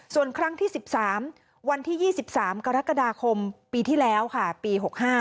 ส่วนครั้งที่๑๓วันที่๒๓กรกฎาคมปีที่แล้วค่ะปี๖๕